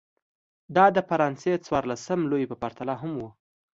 دا د فرانسې څوارلسم لويي په پرتله هم و.